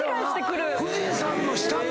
「富士山の下」って。